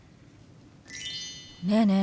ねえねえ